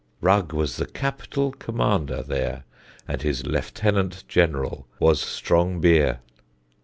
Rug was the Capital Commander there, And his Lieutenant General was strong beer.